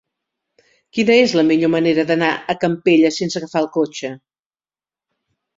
Quina és la millor manera d'anar a Campelles sense agafar el cotxe?